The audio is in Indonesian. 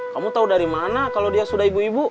kamu tahu dari mana kalau dia sudah ibu ibu